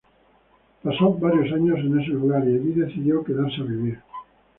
Pasó varios años en ese lugar y allí decidió quedarse a vivir.